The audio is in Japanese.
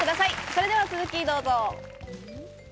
それでは続きをどうぞ。